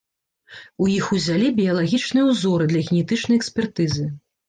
У іх узялі біялагічныя ўзоры для генетычнай экспертызы.